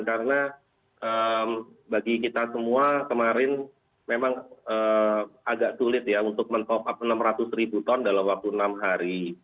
karena bagi kita semua kemarin memang agak sulit ya untuk men top up rp enam ratus dalam waktu enam hari